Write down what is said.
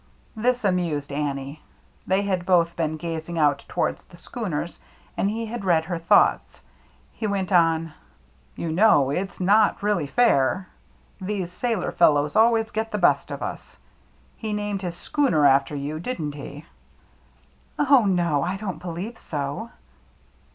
This amused Annie. They had both been gazing out towards the schooners, and he had read her thoughts. He went on :" You know it's not really fair. These sailor fellows always get the best of us. He named his schooner after you, didn't he?" " Oh, no, I don't believe so."